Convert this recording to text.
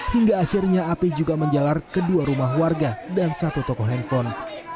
hingga akhirnya api juga menjalar ke dua rumah warga dan satu toko handphone